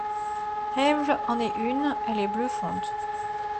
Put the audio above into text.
Ewl en est une, elle est bluffante.